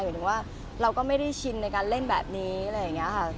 ถึงว่าเราก็ไม่ได้ชินในการเล่นแบบนี้อะไรอย่างนี้ค่ะ